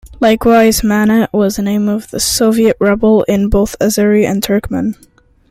Likewise, 'manat' was the name of the Soviet ruble in both Azeri and Turkmen.